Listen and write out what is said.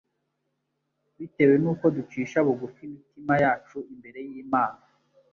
bitewe n’uko ducisha bugufi imitima yacu imbere y’Imana.